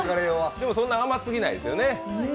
でもそんな甘すぎないですよね。